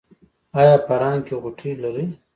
ایا په ران کې غوټې لرئ؟